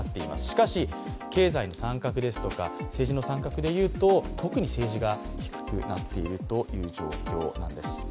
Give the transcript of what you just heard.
しかし経済の参画ですとか政治の参画でいうと特に政治が低くなっているという状況です。